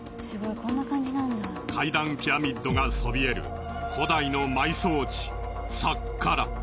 階段ピラミッドがそびえる古代の埋葬地サッカラ。